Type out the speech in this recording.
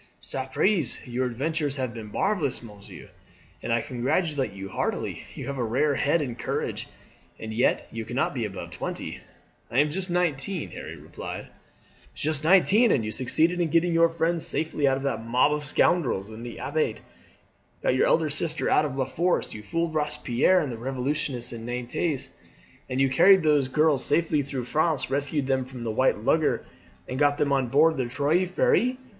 "Sapriste, your adventures have been marvellous, monsieur, and I congratulate you heartily. You have a rare head and courage, and yet you cannot be above twenty." "I am just nineteen," Harry replied. "Just nineteen, and you succeeded in getting your friend safely out of that mob of scoundrels in the Abbaye, got your elder sister out of La Force, you fooled Robespierre and the Revolutionists in Nantes, and you carried those two girls safely through France, rescued them from the white lugger, and got them on board the Trois Freres!